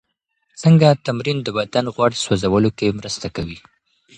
څنګه تمرین د بدن غوړ سوځولو کې مرسته کوي؟